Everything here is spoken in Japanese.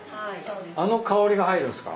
あの香りが入るんすか？